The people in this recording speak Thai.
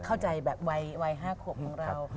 เข้าใจแบบวัย๕ขวบของเรา